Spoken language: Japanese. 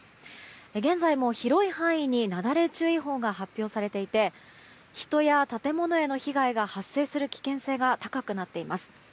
現在も広い範囲になだれ注意報が発表されていて人や建物への被害が発生する危険性が高くなっています。